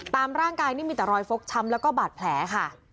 ตามร่างกายนี่มีแต่รอยฟกช้ำแล้วก็บาดแผลค่ะ